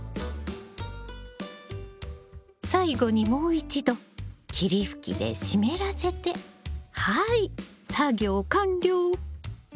最後にもう一度霧吹きで湿らせてはいっ作業完了！